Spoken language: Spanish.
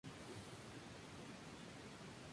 El proyecto promueve cuatro sesiones diarias de cine.